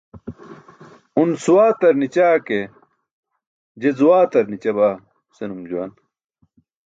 "un swaatar ni̇ća ke, je zwaatar ni̇ćabaa" senum juwan.